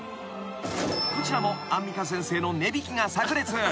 ［こちらもアンミカ先生の値引きが炸裂］